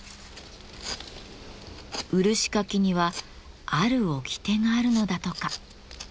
漆かきにはある掟があるのだとか。